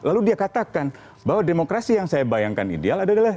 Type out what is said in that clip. lalu dia katakan bahwa demokrasi yang saya bayangkan ideal adalah